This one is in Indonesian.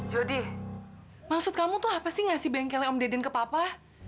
jodi maksud kamu tuh apa sih ngasih bengkelnya om dek den ke papa